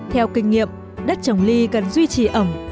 theo kinh nghiệm đất trồng ly cần duy trì ẩm